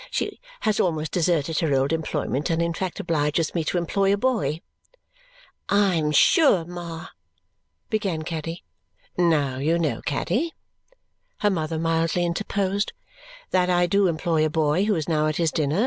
She has almost deserted her old employment and in fact obliges me to employ a boy." "I am sure, Ma " began Caddy. "Now you know, Caddy," her mother mildly interposed, "that I DO employ a boy, who is now at his dinner.